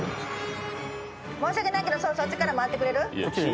申し訳ないけどそっちから回ってくれる？